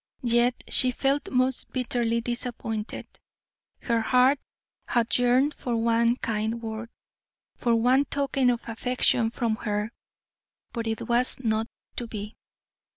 Yet she felt most bitterly disappointed; her heart had yearned for one kind word, for one token of affection from her, but it was not to be.